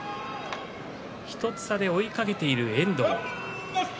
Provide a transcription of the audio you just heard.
１つ差で追いかけている遠藤。